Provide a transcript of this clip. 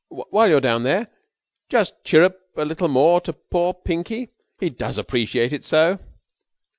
"While you're down there just chirrup a little more to poor Pinky. He does appreciate it so!"